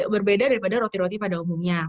berbeda dari pada roti roti pada umumnya